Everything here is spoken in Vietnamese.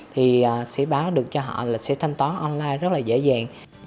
thì sẽ báo được cho họ là sẽ thanh toán online rất là dễ dàng